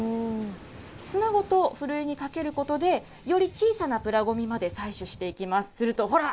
砂ごとふるいにかけることで、より小さなプラごみまで採取していきます。